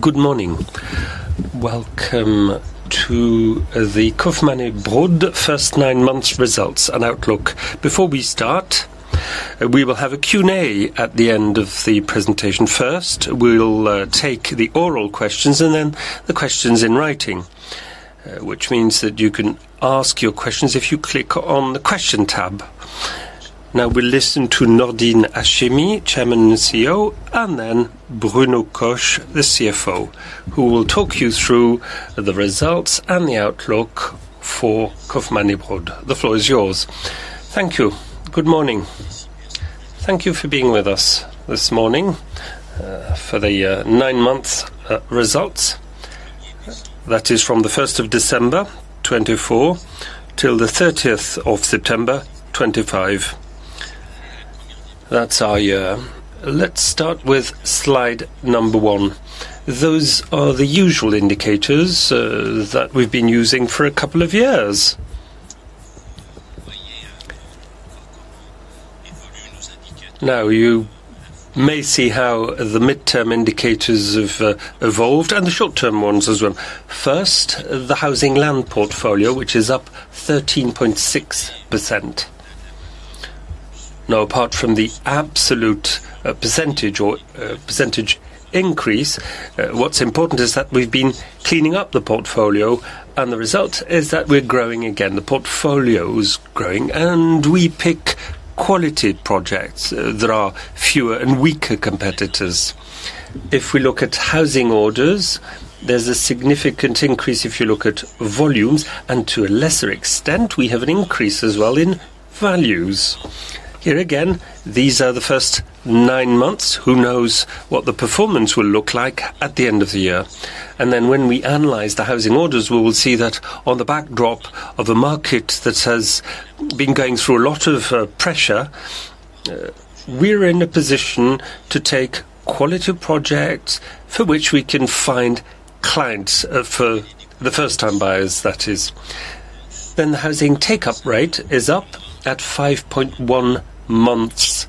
Good morning. Welcome to the Kaufman & Broad first nine months results and outlook. Before we start, we will have a Q&A at the end of the presentation. First, we'll take the oral questions and then the questions in writing, which means that you can ask your questions if you click on the question tab. Now we'll listen to Nordine Hachemi Chairman and CEO, and then Bruno Koch, the CFO, who will talk you through the results and the outlook for Kaufman & Broad. The floor is yours. Thank you. Good morning. Thank you for being with us this morning for the nine-month results. That is from the 1st of December 2024 till the 30th of September 2025. That's our year. Let's start with slide number one. Those are the usual indicators that we've been using for a couple of years. Now you may see how the mid-term indicators have evolved and the short-term ones as well. First, the housing land portfolio, which is up 13.6%. Now, apart from the absolute percentage increase, what's important is that we've been cleaning up the portfolio and the result is that we're growing again. The portfolio is growing and we pick quality projects that are fewer and weaker competitors. If we look at housing orders, there's a significant increase if you look at volumes and to a lesser extent, we have an increase as well in values. Here again, these are the first nine months. Who knows what the performance will look like at the end of the year? When we analyze the housing orders, we will see that on the backdrop of a market that has been going through a lot of pressure, we're in a position to take quality projects for which we can find clients for the first-time buyers, that is. The housing take-up rate is up at 5.1 months.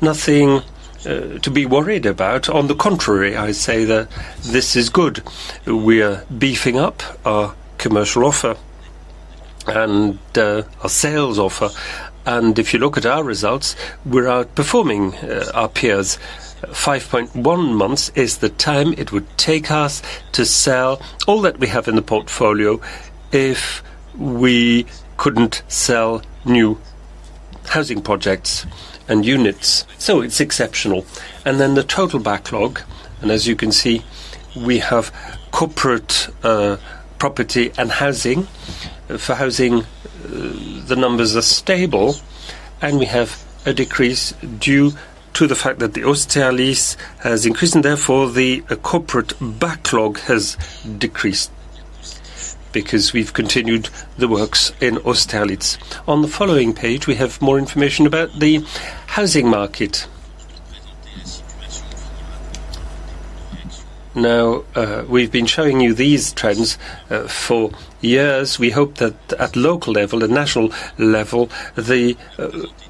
Nothing to be worried about. On the contrary, I say that this is good. We are beefing up our commercial offer and our sales offer. If you look at our results, we're outperforming our peers. 5.1 months is the time it would take us to sell all that we have in the portfolio if we couldn't sell new housing projects and units. It's exceptional. The total backlog, and as you can see, we have corporate property and housing. For housing, the numbers are stable and we have a decrease due to the fact that the Ostia Lease has increased and therefore the corporate backlog has decreased because we've continued the works in Ostia Lease. On the following page, we have more information about the housing market. Now, we've been showing you these trends for years. We hope that at the local level and national level, the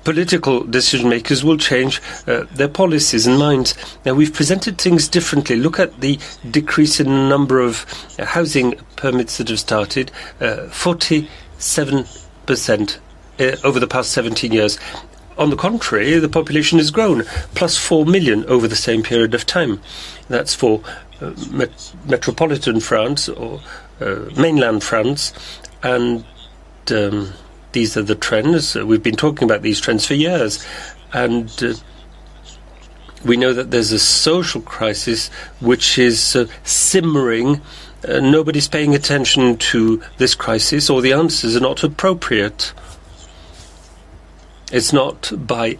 political decision makers will change their policies in mind. Now we've presented things differently. Look at the decrease in the number of housing permits that have started: 47% over the past 17 years. On the contrary, the population has grown: +4 million over the same period of time. That's for metropolitan France or mainland France. These are the trends. We've been talking about these trends for years. We know that there's a social crisis which is simmering. Nobody's paying attention to this crisis or the answers are not appropriate. It's not by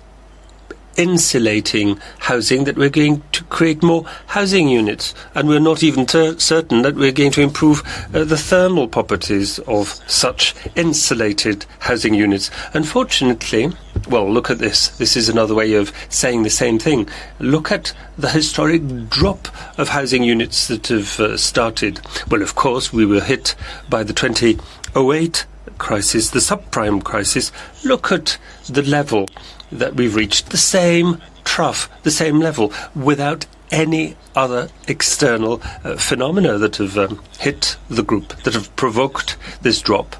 insulating housing that we're going to create more housing units. We're not even certain that we're going to improve the thermal properties of such insulated housing units. Unfortunately, look at this. This is another way of saying the same thing. Look at the historic drop of housing units that have started. Of course, we were hit by the 2008 crisis, the subprime crisis. Look at the level that we've reached. The same trough, the same level without any other external phenomena that have hit the group, that have provoked this drop.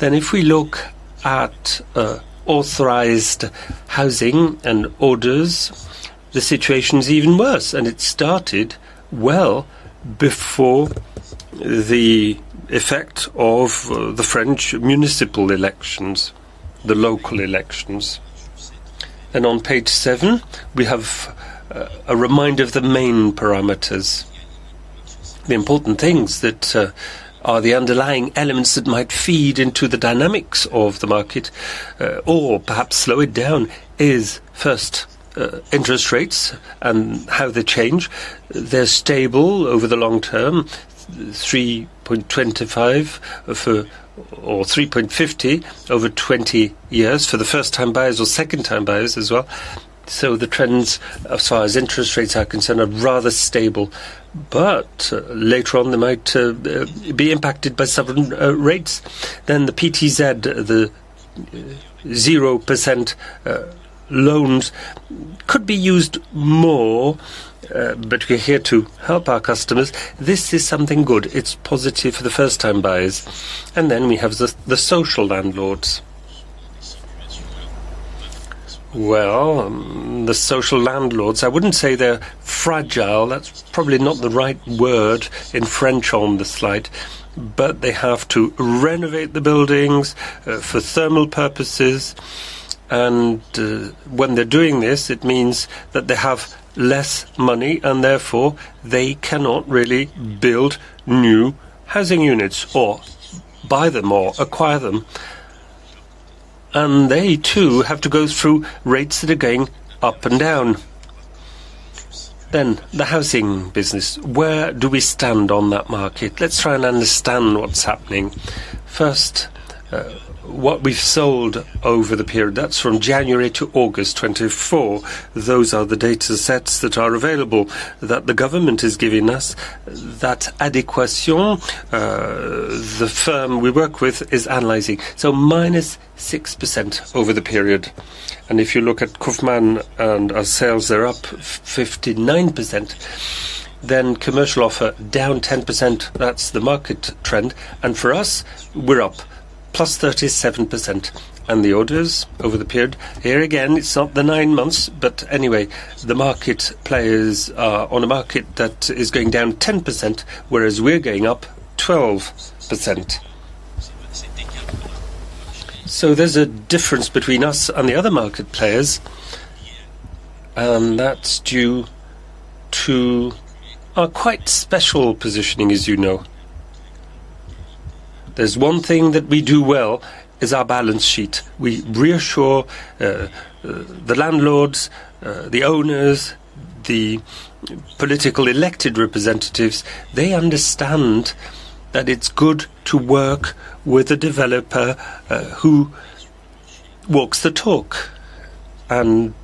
If we look at authorized housing and orders, the situation is even worse. It started well before the effect of the French municipal elections, the local elections. On page seven, we have a reminder of the main parameters. The important things that are the underlying elements that might feed into the dynamics of the market or perhaps slow it down are first interest rates and how they change. They're stable over the long term, 3.25% or 3.50% over 20 years for the first-time buyers or second-time buyers as well. The trends as far as interest rates are concerned are rather stable. Later on, they might be impacted by sovereign rates. The PTZ, the 0% loans could be used more, but we're here to help our customers. This is something good. It's positive for the first-time buyers. We have the social landlords. The social landlords, I wouldn't say they're fragile. That's probably not the right word in French on the slide, but they have to renovate the buildings for thermal purposes. When they're doing this, it means that they have less money and therefore they cannot really build new housing units or buy them or acquire them. They too have to go through rates that are going up and down. The housing business. Where do we stand on that market? Let's try and understand what's happening. First, what we've sold over the period, that's from January to August 2024. Those are the data sets that are available that the government is giving us. That Adéquation, the firm we work with, is analyzing. -6% over the period. If you look at Kaufman and our sales, they're up 59%. Commercial offer down 10%. That's the market trend. For us, we're up +37%. The orders over the period, here again, it's not the nine months, but anyway, the market players are on a market that is going down 10%, whereas we're going up 12%. There's a difference between us and the other market players, and that's due to our quite special positioning, as you know. There's one thing that we do well: our balance sheet. We reassure the landlords, the owners, the political elected representatives. They understand that it's good to work with a developer who walks the talk and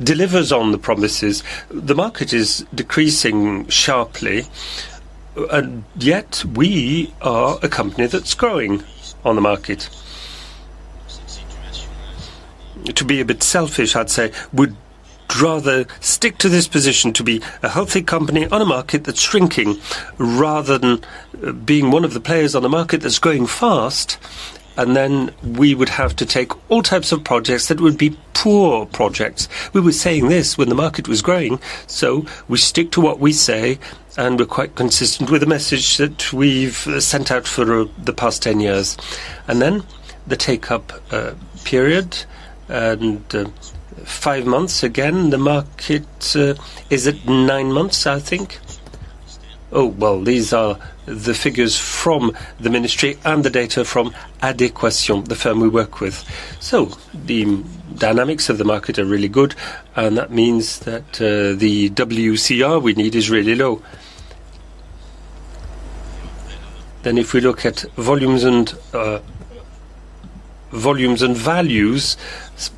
delivers on the promises. The market is decreasing sharply, yet we are a company that's growing on the market. To be a bit selfish, I'd say we'd rather stick to this position to be a healthy company on a market that's shrinking rather than being one of the players on a market that's growing fast. We would have to take all types of projects that would be poor projects. We were saying this when the market was growing. We stick to what we say and we're quite consistent with the message that we've sent out for the past 10 years. The take-up period is five months. The market is at nine months, I think. These are the figures from the ministry and the data from Adéquation, the firm we work with. The dynamics of the market are really good, and that means that the WCR we need is really low. If we look at volumes and values,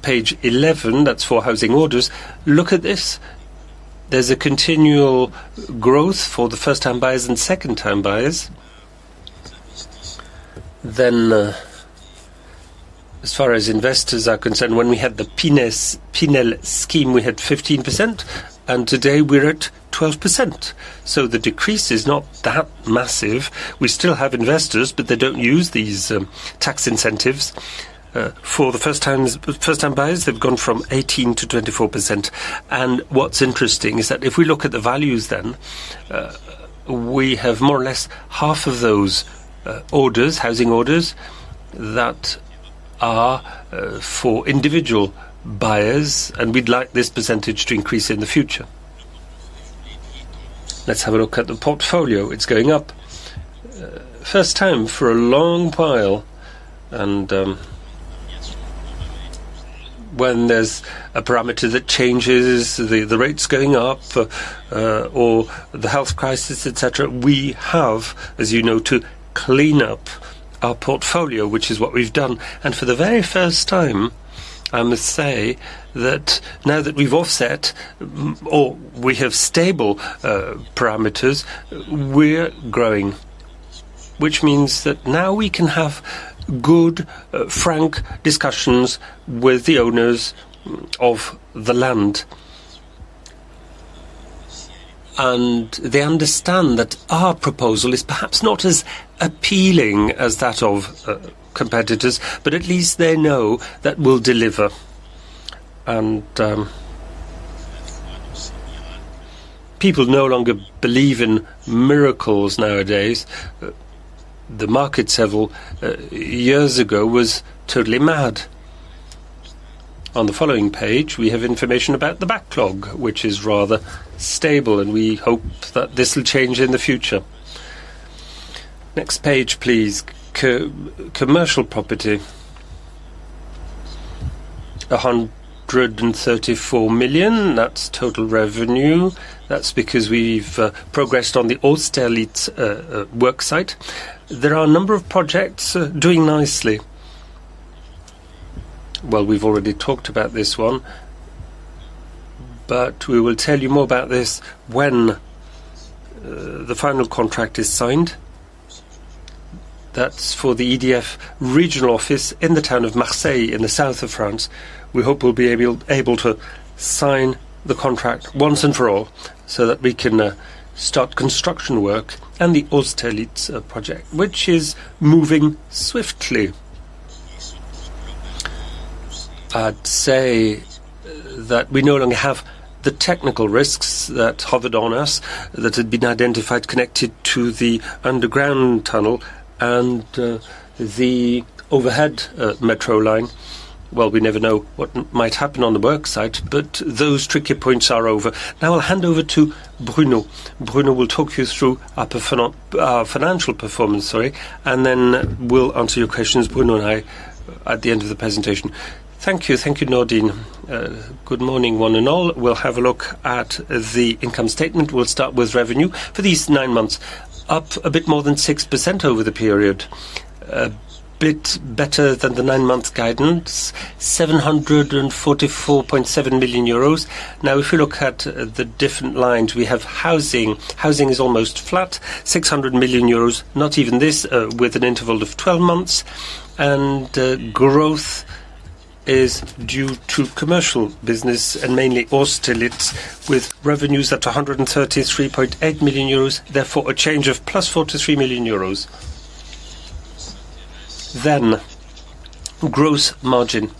page 11, that's for housing orders. Look at this. There's a continual growth for the first-time buyers and second-time buyers. As far as investors are concerned, when we had the Pinel scheme, we had 15%. Today we're at 12%. The decrease is not that massive. We still have investors, but they don't use these tax incentives. For the first-time buyers, they've gone from 18%-24%. What's interesting is that if we look at the values, then we have more or less half of those orders, housing orders, that are for individual buyers. We'd like this percentage to increase in the future. Let's have a look at the portfolio. It's going up. First time for a long while. When there's a parameter that changes, the rate's going up or the health crisis, etc., we have, as you know, to clean up our portfolio, which is what we've done. For the very first time, I must say that now that we've offset or we have stable parameters, we're growing, which means that now we can have good, frank discussions with the owners of the land. They understand that our proposal is perhaps not as appealing as that of competitors, but at least they know that we'll deliver. People no longer believe in miracles nowadays. The market several years ago was totally mad. On the following page, we have information about the backlog, which is rather stable. We hope that this will change in the future. Next page, please. Commercial property. €134 million. That's total revenue. That's because we've progressed on the Ostia Lease worksite. There are a number of projects doing nicely. We've already talked about this one, but we will tell you more about this when the final contract is signed. That's for the EDF regional office in the town of Marseille in the south of France. We hope we'll be able to sign the contract once and for all so that we can start construction work and the Ostia Lease project, which is moving swiftly. I'd say that we no longer have the technical risks that hovered on us that had been identified connected to the underground tunnel and the overhead metro line. We never know what might happen on the worksite, but those tricky points are over. Now I'll hand over to Bruno. Bruno will talk you through our financial performance, sorry, and then we'll answer your questions, Bruno and I, at the end of the presentation. Thank you. Thank you, Nordine. Good morning, one and all. We'll have a look at the income statement. We'll start with revenue for these nine months. Up a bit more than 6% over the period. A bit better than the nine-month guidance. €744.7 million. Now, if we look at the different lines, we have housing. Housing is almost flat. €600 million, not even this, with an interval of 12 months. Growth is due to commercial business and mainly Ostia Lease with revenues at €133.8 million. Therefore, a change of +€43 million. Then gross margin,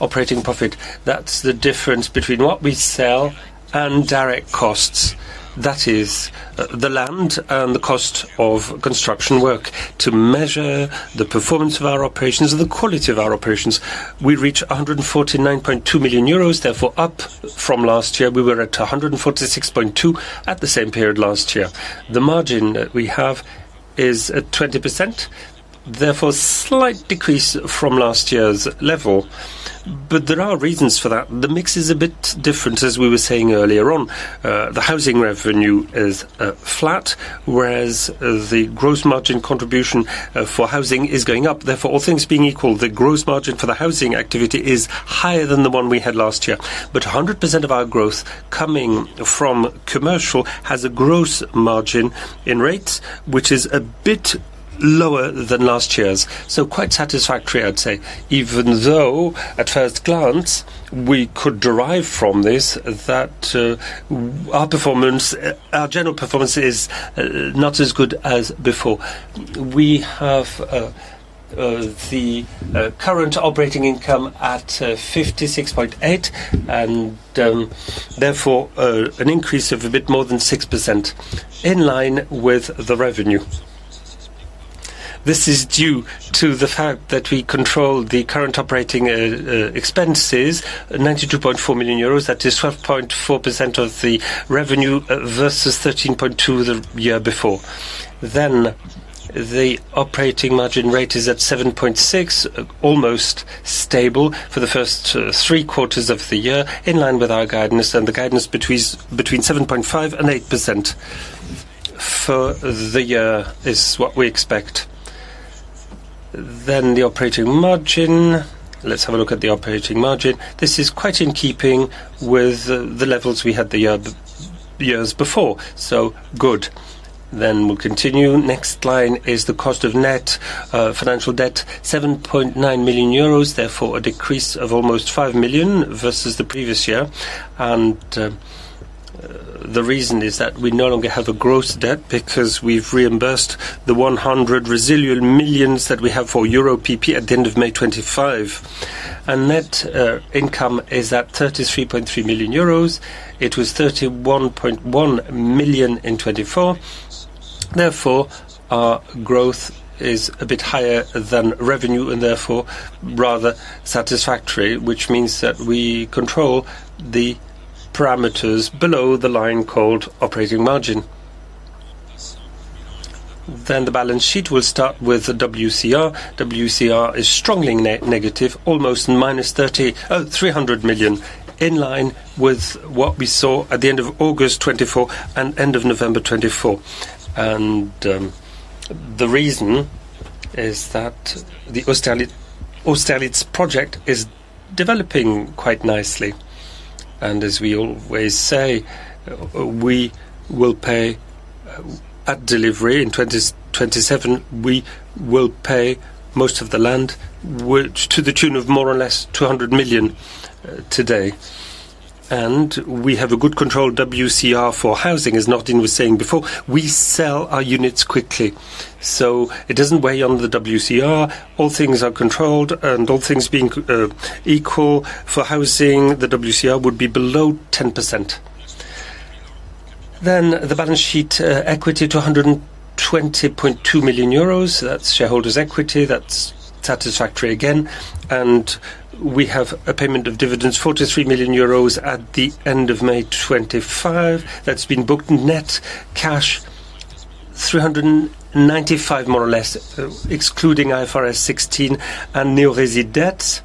operating profit. That's the difference between what we sell and direct costs. That is the land and the cost of construction work. To measure the performance of our operations and the quality of our operations, we reach €149.2 million. Therefore, up from last year, we were at €146.2 million at the same period last year. The margin that we have is at 20%. Therefore, a slight decrease from last year's level. There are reasons for that. The mix is a bit different, as we were saying earlier on. The housing revenue is flat, whereas the gross margin contribution for housing is going up. Therefore, all things being equal, the gross margin for the housing activity is higher than the one we had last year. However, 100% of our growth coming from commercial has a gross margin in rates, which is a bit lower than last year's. Quite satisfactory, I'd say. Even though at first glance, we could derive from this that our performance, our general performance is not as good as before. We have the current operating income at €56.8 million and therefore an increase of a bit more than 6% in line with the revenue. This is due to the fact that we control the current operating expenses, €92.4 million. That is 12.4% of the revenue versus 13.2% the year before. The operating margin rate is at 7.6%, almost stable for the first three quarters of the year in line with our guidance. The guidance between 7.5% and 8% for the year is what we expect. The operating margin is quite in keeping with the levels we had the years before. Good. The next line is the cost of net financial debt, €7.9 million. Therefore, a decrease of almost €5 million versus the previous year. The reason is that we no longer have a gross debt because we've reimbursed the 100 residual millions that we have for Euro PP at the end of May 2025. Net income is at €33.3 million. It was €31.1 million in 2024. Therefore, our growth is a bit higher than revenue and therefore rather satisfactory, which means that we control the parameters below the line called operating margin. The balance sheet will start with the WCR. WCR is strongly negative, almost minus €300 million in line with what we saw at the end of August 2024 and end of November 2024. The reason is that the Ostia Lease project is developing quite nicely. As we always say, we will pay at delivery in 2027. We will pay most of the land, which to the tune of more or less €200 million today. We have a good control. WCR for housing is not, as we were saying before, we sell our units quickly. It doesn't weigh on the WCR. All things are controlled and all things being equal for housing, the WCR would be below 10%. The balance sheet equity to €120.2 million. That's shareholders' equity. That's satisfactory again. We have a payment of dividends €43 million at the end of May 2025. That's been booked. Net cash, €395 million more or less, excluding IFRS 16 and neo-resi debts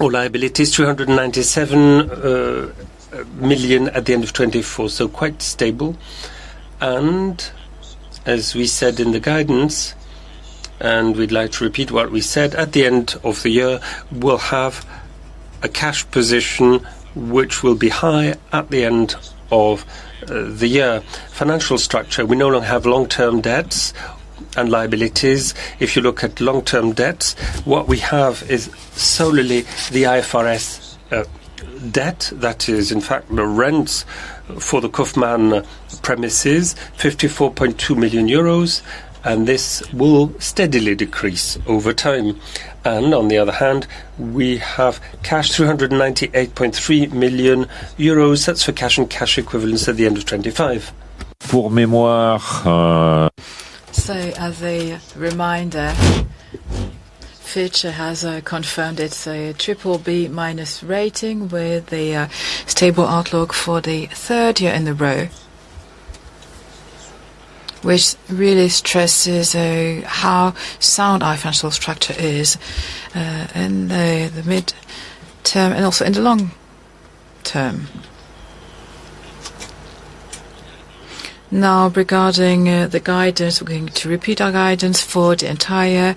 or liabilities, €397 million at the end of 2024. Quite stable. As we said in the guidance, and we'd like to repeat what we said at the end of the year, we'll have a cash position which will be high at the end of the year. Financial structure, we no longer have long-term debts and liabilities. If you look at long-term debts, what we have is solely the IFRS debt. That is, in fact, rent for the Kaufman premises, €54.2 million. This will steadily decrease over time. On the other hand, we have cash €398.3 million. That's for cash and cash equivalents at the end of 2025. As a reminder, Fitch has confirmed its BBB- rating with a stable outlook for the third year in a row, which really stresses how sound our financial structure is in the mid-term and also in the long term. Now, regarding the guidance, we're going to repeat our guidance for the entire year.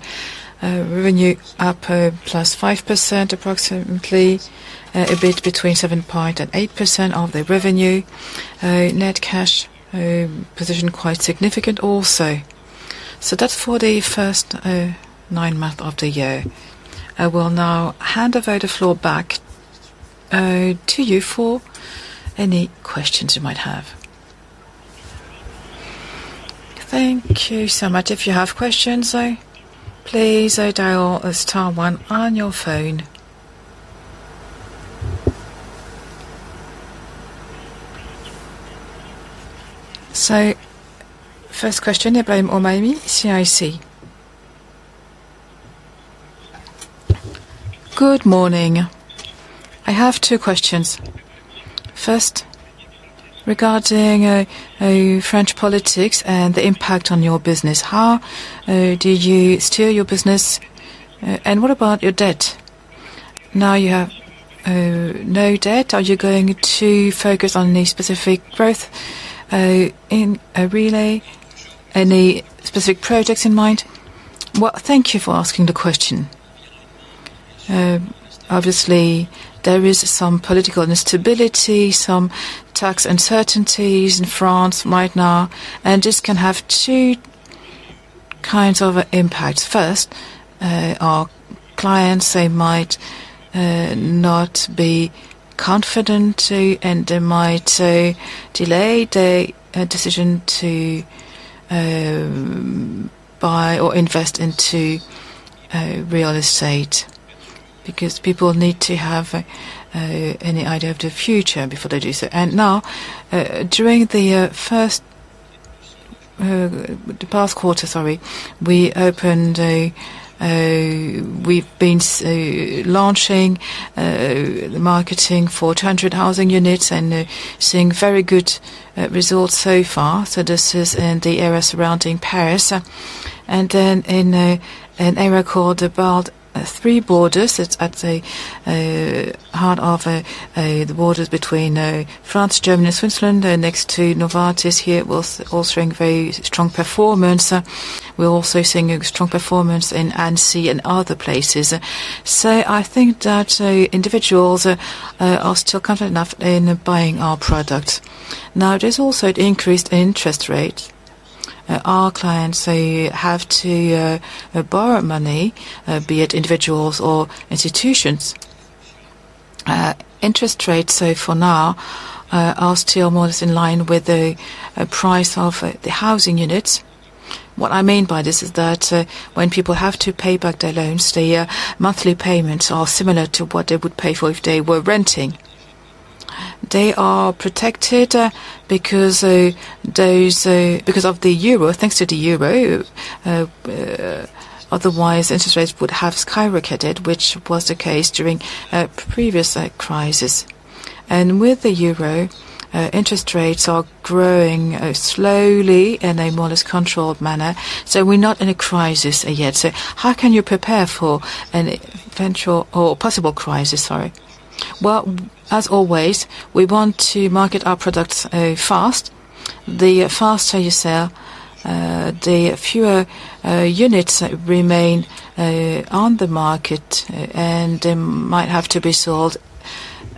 Revenue up +5% approximately, EBIT between 7.5% and 8% of the revenue. Net cash position quite significant also. That's for the first nine months of the year. I will now hand over the floor back to you for any questions you might have. Thank you so much. If you have questions, please dial star one on your phone. First question about Omae Mi, CIC. Good morning. I have two questions. First, regarding French politics and the impact on your business. How do you steer your business? What about your debt? Now you have no debt. Are you going to focus on any specific growth in Arena? Any specific projects in mind? Thank you for asking the question. Obviously, there is some political instability, some tax uncertainties in France right now. This can have two kinds of impacts. First, our clients might not be confident and they might delay their decision to buy or invest into real estate because people need to have any idea of the future before they do so. During the past quarter, we've been launching the marketing for 200 housing units and seeing very good results so far. This is in the area surrounding Paris. In an area called the Belt Three Borders, at the heart of the borders between France, Germany, and Switzerland, next to Novartis, we're also seeing very strong performance. We're also seeing a strong performance in Annecy and other places. I think that individuals are still confident enough in buying our products. There is also an increased interest rate. Our clients have to borrow money, be it individuals or institutions. Interest rates for now are still more or less in line with the price of the housing units. What I mean by this is that when people have to pay back their loans, the monthly payments are similar to what they would pay for if they were renting. They are protected because of the euro, thanks to the euro. Otherwise, interest rates would have skyrocketed, which was the case during a previous crisis. With the euro, interest rates are growing slowly in a more or less controlled manner. We're not in a crisis yet. How can you prepare for an eventual or possible crisis, sorry? As always, we want to market our products fast. The faster you sell, the fewer units remain on the market and might have to be sold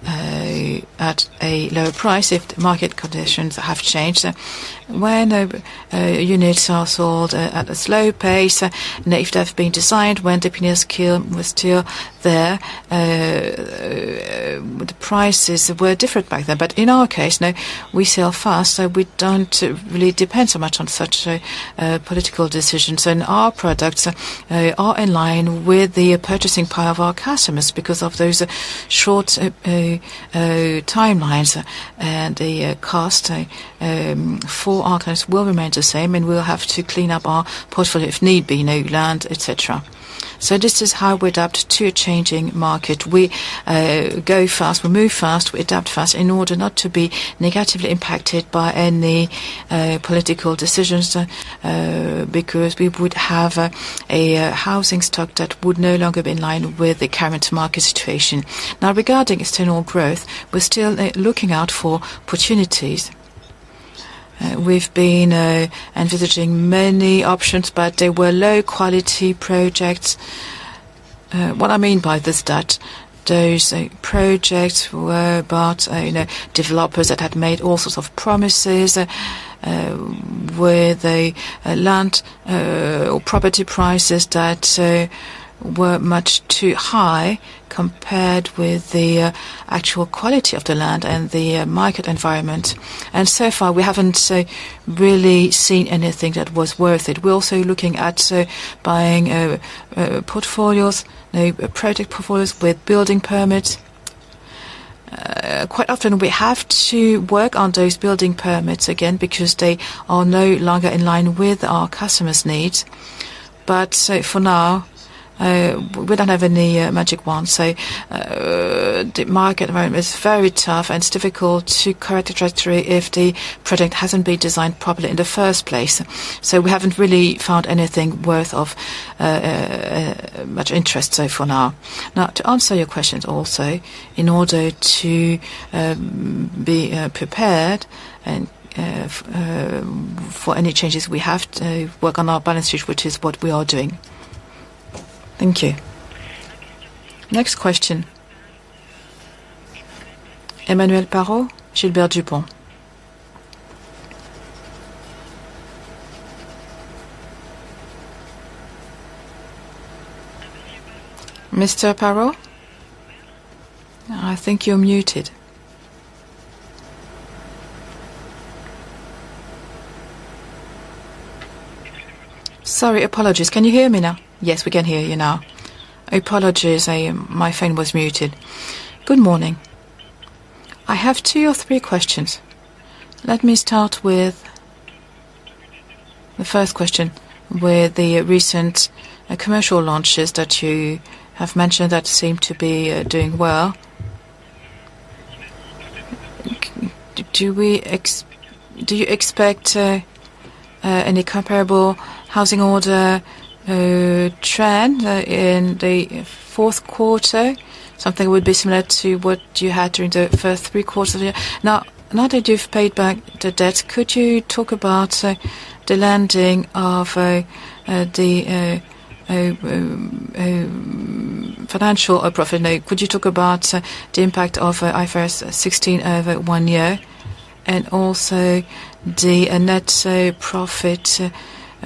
at a lower price if the market conditions have changed. When units are sold at a slow pace and if they've been designed when the Pinel scheme was still there, the prices were different back then. In our case, no, we sell fast, so we don't really depend so much on such a political decision. Our products are in line with the purchasing power of our customers because of those short timelines. The cost for our clients will remain the same and we'll have to clean up our portfolio if need be, no land, etc. This is how we adapt to a changing market. We go fast, we move fast, we adapt fast in order not to be negatively impacted by any political decisions because we would have a housing stock that would no longer be in line with the current market situation. Now, regarding external growth, we're still looking out for opportunities. We've been envisaging many options, but they were low-quality projects. What I mean by this is that those projects were about developers that had made all sorts of promises with the land or property prices that were much too high compared with the actual quality of the land and the market environment. So far, we haven't really seen anything that was worth it. We're also looking at buying project portfolios with building permits. Quite often, we have to work on those building permits again because they are no longer in line with our customers' needs. For now, we don't have any magic wand. The market environment is very tough and it's difficult to correct the trajectory if the project hasn't been designed properly in the first place. We haven't really found anything worth much interest so far now. To answer your questions, also, in order to be prepared for any changes, we have to work on our balance sheet, which is what we are doing. Thank you. Next question. Emmanuel Parot, Gilbert Dupont. Mr. Parrot? I think you're muted. Sorry, apologies. Can you hear me now? Yes, we can hear you now. Apologies, my phone was muted. Good morning. I have two or three questions. Let me start with the first question. With the recent commercial launches that you have mentioned that seem to be doing well, do you expect any comparable housing order trend in the fourth quarter? Something that would be similar to what you had during the first three quarters of the year. Now that you've paid back the debt, could you talk about the landing of the financial profit? Could you talk about the impact of IFRS 16 over one year and also the net profit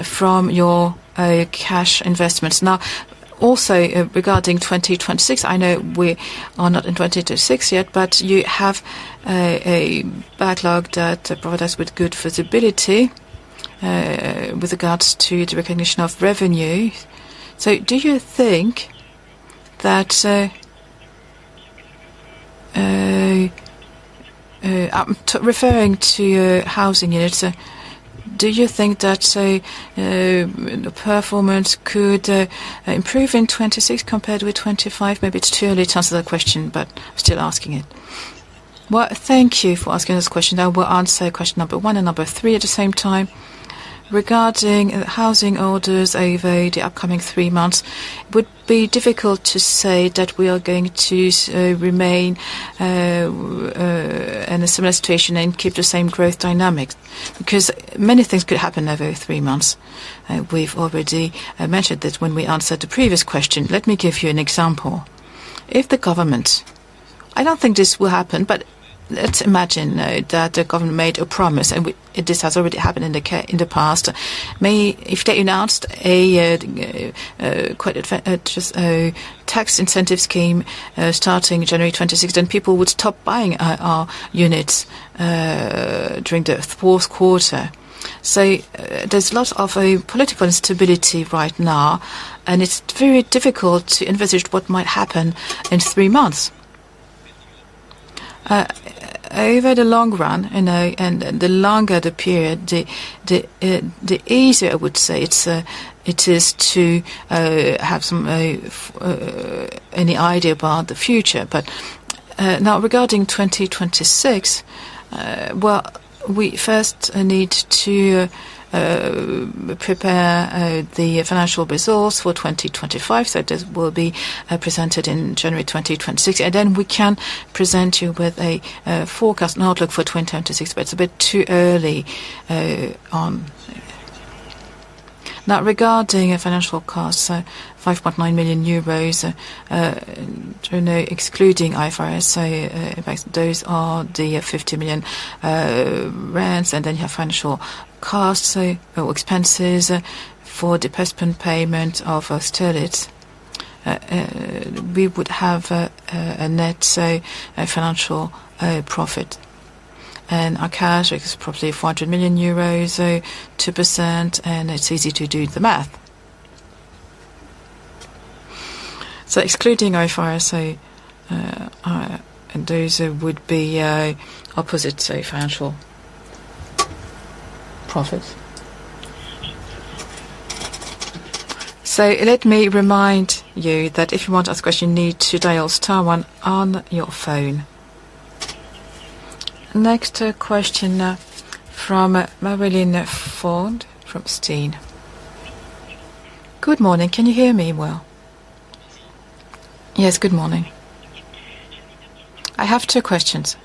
from your cash investments? Now, also regarding 2026, I know we are not in 2026 yet, but you have a backlog that provides us with good visibility with regards to the recognition of revenue. Do you think that I'm referring to housing units. Do you think that the performance could improve in 2026 compared with 2025? Maybe it's too early to answer that question, but I'm still asking it. Thank you for asking this question. I will answer question number one and number three at the same time. Regarding housing orders over the upcoming three months, it would be difficult to say that we are going to remain in a similar situation and keep the same growth dynamics because many things could happen over three months. We've already mentioned this when we answered the previous question. Let me give you an example. If the government, I don't think this will happen, but let's imagine that the government made a promise and this has already happened in the past. If they announced a quite advanced tax incentive scheme starting January 2026, then people would stop buying our units during the fourth quarter. There is a lot of political instability right now and it's very difficult to envisage what might happen in three months. Over the long run, and the longer the period, the easier I would say it is to have any idea about the future. Now regarding 2026, we first need to prepare the financial results for 2025. This will be presented in January 2026. Then we can present you with a forecast and outlook for 2026, but it's a bit too early on. Now, regarding financial costs, €5.9 million, I don't know, excluding IFRS. In fact, those are the €50 million rents. Then you have financial costs or expenses for the participant payment of Ostia Lease. We would have a net financial profit. Our cash is probably €400 million, 2%, and it's easy to do the math. Excluding IFRS, those would be opposite financial profits. Let me remind you that if you want to ask a question, you need to dial Star, one on your phone. Next question from Marilyn Fond from Steen. Good morning. Can you hear me well? Yes, good morning. I have two questions.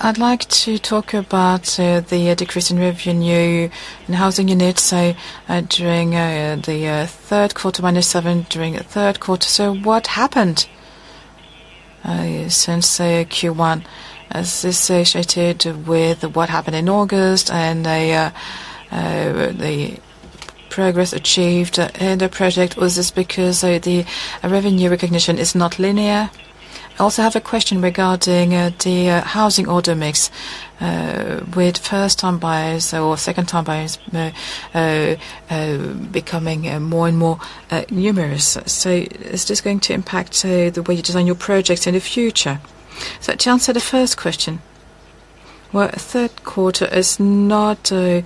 I'd like to talk about the decrease in revenue in housing units. During the third quarter, minus seven during the third quarter. What happened since Q1? Is this associated with what happened in August and the progress achieved in the project? Was this because the revenue recognition is not linear? I also have a question regarding the housing order mix with first-time buyers or second-time buyers becoming more and more numerous. Is this going to impact the way you design your projects in the future? To answer the first question, the third quarter is not really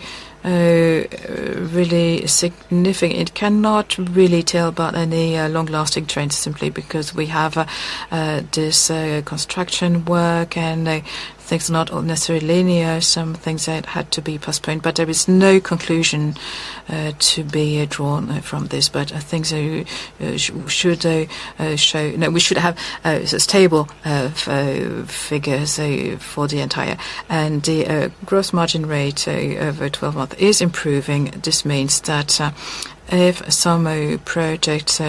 significant. It cannot really tell about any long-lasting trends simply because we have this construction work and things are not necessarily linear. Some things have to be postponed. There is no conclusion to be drawn from this. Things should show, we should have a stable figure for the entire. The gross margin rate over 12 months is improving. This means that if some projects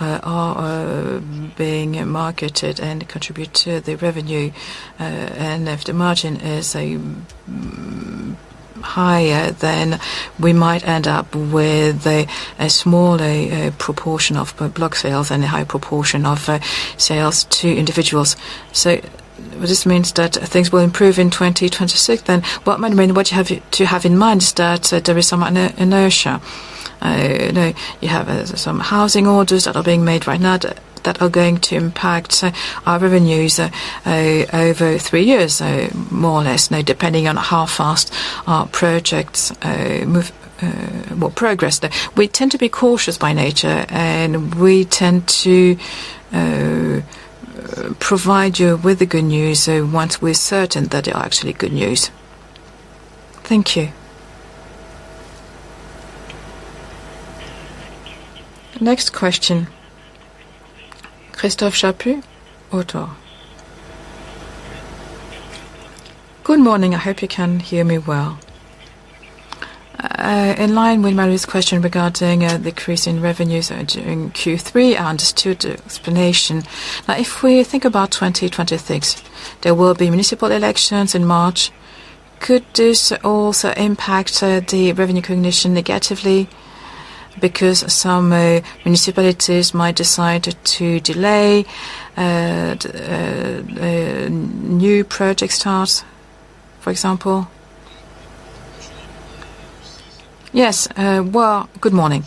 are being marketed and contribute to the revenue and if the margin is higher, then we might end up with a smaller proportion of block sales and a higher proportion of sales to individuals. This means that things will improve in 2026. What you have to have in mind is that there is some inertia. You have some housing orders that are being made right now that are going to impact our revenues over three years, more or less, depending on how fast our projects move or progress. We tend to be cautious by nature and we tend to provide you with the good news once we're certain that they're actually good news. Thank you. Next question. Christophe Chaput, Oddo. Good morning. I hope you can hear me well. In line with Marilyn's question regarding the decrease in revenues in Q3, I understood the explanation. If we think about 2026, there will be municipal elections in March. Could this also impact the revenue recognition negatively because some municipalities might decide to delay new project starts, for example? Yes. Good morning.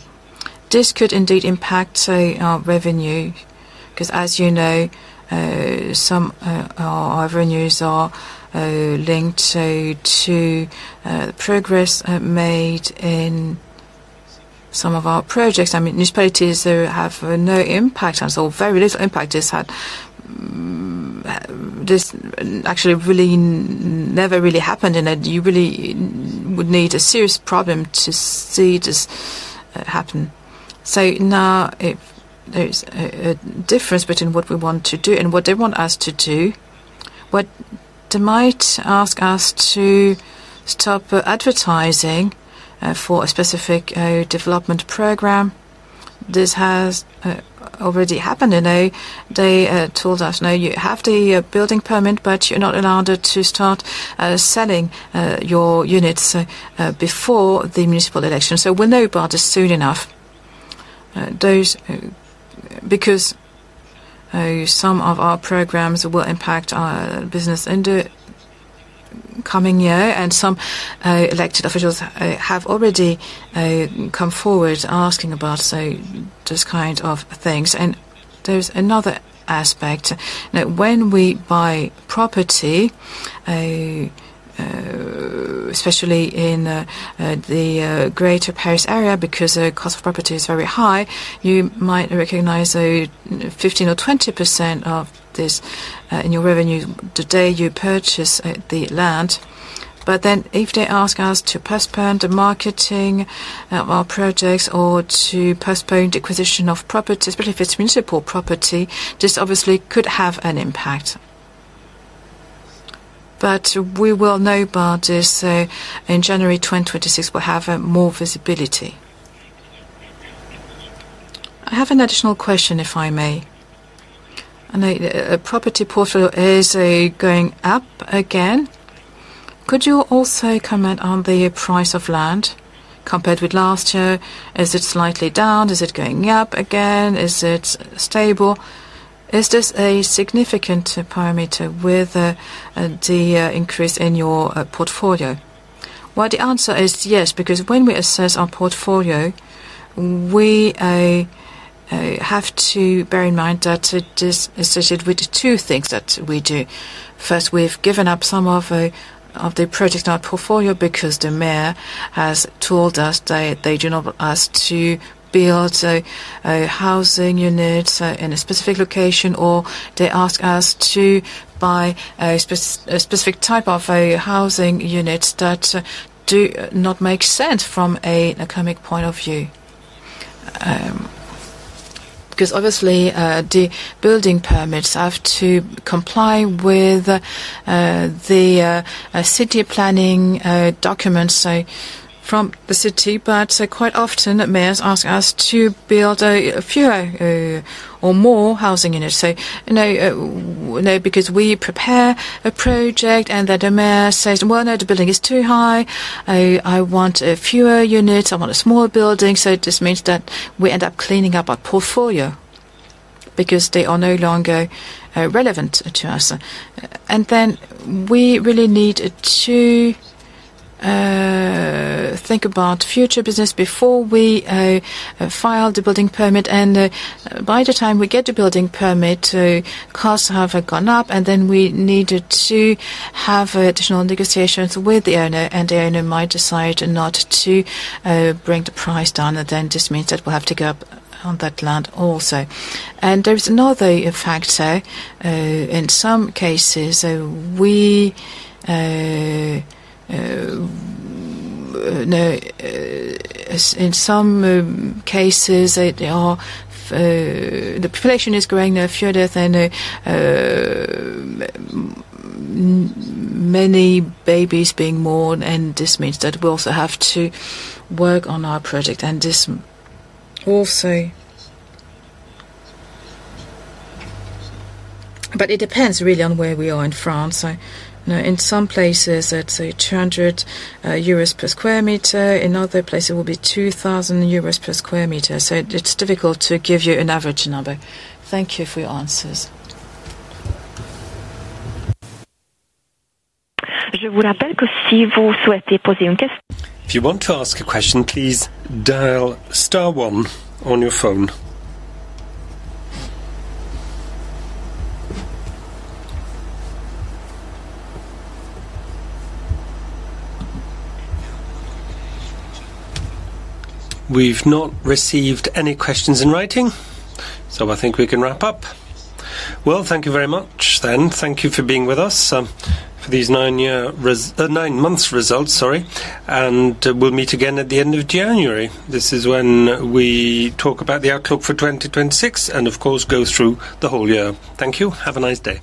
This could indeed impact our revenue because, as you know, some of our revenues are linked to the progress made in some of our projects. Municipalities have no impact on it or very little impact. This had actually really never really happened and you really would need a serious problem to see this happen. There is a difference between what we want to do and what they want us to do. They might ask us to stop advertising for a specific development program. This has already happened. They told us, "No, you have the building permit, but you're not allowed to start selling your units before the municipal elections." We'll know about this soon enough because some of our programs will impact our business in the coming year. Some elected officials have already come forward asking about those kinds of things. There's another aspect. When we buy property, especially in the greater Paris area because the cost of property is very high, you might recognize 15% or 20% of this in your revenue the day you purchase the land. If they ask us to postpone the marketing of our projects or to postpone the acquisition of property, especially if it's municipal property, this obviously could have an impact. We will know about this in January 2026. We'll have more visibility. I have an additional question, if I may. I know the property portfolio is going up again. Could you also comment on the price of land compared with last year? Is it slightly down? Is it going up again? Is it stable? Is this a significant parameter with the increase in your portfolio? The answer is yes, because when we assess our portfolio, we have to bear in mind that it is associated with two things that we do. First, we've given up some of the projects in our portfolio because the mayor has told us that they do not want us to build a housing unit in a specific location or they ask us to buy a specific type of housing unit that does not make sense from an academic point of view. The building permits have to comply with the city planning documents from the city. Quite often, mayors ask us to build fewer or more housing units. We prepare a project and then the mayor says, "No, the building is too high. I want fewer units. I want a smaller building." This means that we end up cleaning up our portfolio because they are no longer relevant to us. We really need to think about future business before we file the building permit. By the time we get the building permit, costs have gone up. We need to have additional negotiations with the owner, and the owner might decide not to bring the price down. This means that we'll have to go up on that land also. There's another factor. In some cases, the population is growing fewer than many babies being born. This means that we also have to work on our project. It also depends really on where we are in France. In some places, it's €200 per sq m. In other places, it will be €2,000 per sq m. It's difficult to give you an average number. Thank you for your answers. If you want to ask a question, please dial Star, one on your phone. We've not received any questions in writing, so I think we can wrap up. Thank you very much. Thank you for being with us for these nine-month results, sorry. We'll meet again at the end of January. This is when we talk about the outlook for 2026 and, of course, go through the whole year. Thank you. Have a nice day.